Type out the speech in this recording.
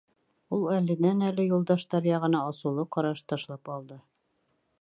Ул әленән-әле Юлдаштар яғына асыулы ҡараш ташлап алды.